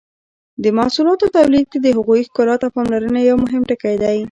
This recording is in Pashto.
د محصولاتو تولید کې د هغوی ښکلا ته پاملرنه یو مهم ټکی دی.